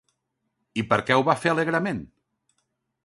I per què ho va fer alegrement?